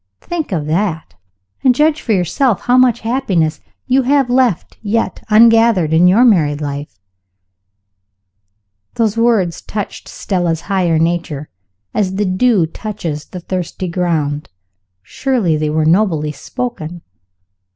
Think of that, and judge for yourself how much happiness you may have left yet ungathered in your married life." (Those words touched Stella's higher nature, as the dew touches the thirsty ground. Surely they were nobly spoken!